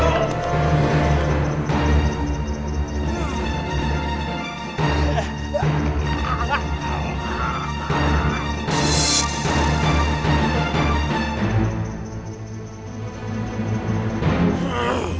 ambil kasih itu